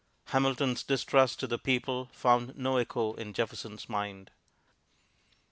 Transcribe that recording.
Hamilton's distrust of the people found no echo in Jefferson's mind.